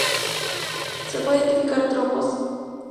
Se pueden identificar trombos en el interior del aneurisma.